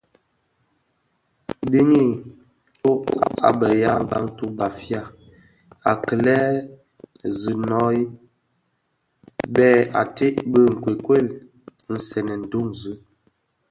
Diňi tsôg a be yaa Bantu (Bafia) a kilè zonoy bèè ated bi nkokuel nsènèn duňzi,